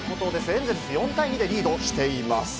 エンゼルス４対２でリードしています。